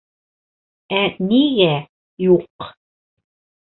Ә нигә... юҡ?